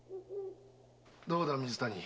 どうだ水谷。